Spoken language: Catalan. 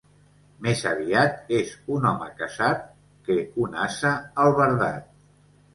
Més aviat és un home casat que un ase albardat.